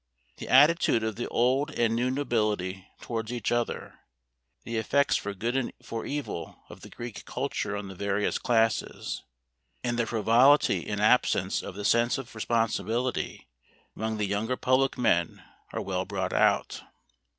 The attitude of the old and new nobility towards each other, the effects for good and for evil of the Greek culture on the various classes, and the frivolity and absence of the sense of responsibility among the younger public men are well brought out.